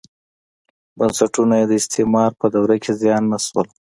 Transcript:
بنسټونه یې د استعمار په دوره کې زیان نه شول.